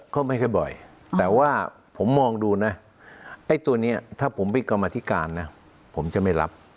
ก็ไม่ค่อยบ่อยแต่ว่าผมมองดูนะไอ้ตัวนี้ถ้าผมเป็นกรรมธิการนะผมจะไม่รับ